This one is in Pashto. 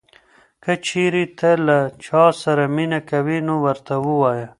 که چېرې ته له چا سره مینه کوې نو ورته ووایه.